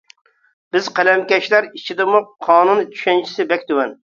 بىز قەلەمكەشلەر ئىچىدىمۇ قانۇن چۈشەنچىسى بەك تۆۋەن.